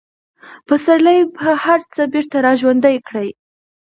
پسرلی به هر څه بېرته راژوندي کړي.